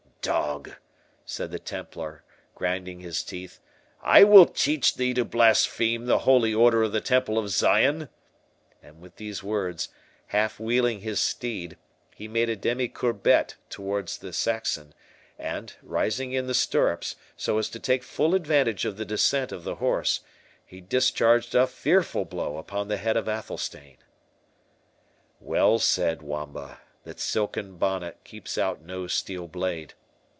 "Dog!" said the Templar, grinding his teeth, "I will teach thee to blaspheme the holy Order of the Temple of Zion;" and with these words, half wheeling his steed, he made a demi courbette towards the Saxon, and rising in the stirrups, so as to take full advantage of the descent of the horse, he discharged a fearful blow upon the head of Athelstane. Well said Wamba, that silken bonnet keeps out no steel blade.